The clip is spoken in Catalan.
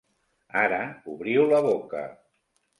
Ara obriu la boca.